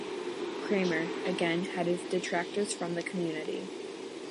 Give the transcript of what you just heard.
Kramer, again, had his detractors from the community.